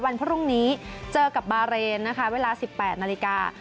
วันพรุ่งนี้เจอกับบาเรนนะคะเวลา๑๘นาฬิกา